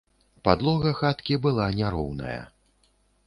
Падлога хаткі была няроўная.